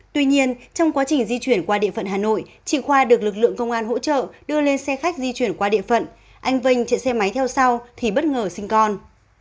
tuy nhiên trong quá trình di chuyển qua địa phận hà nội chị khoa được lực lượng công an hỗ trợ đưa lên xe khách di chuyển qua địa phận anh vinh chạy xe máy theo sau thì bất ngờ sinh con